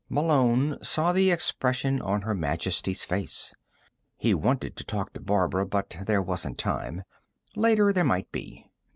Malone saw the expression on Her Majesty's face. He wanted to talk to Barbara but there wasn't time. Later, there might be.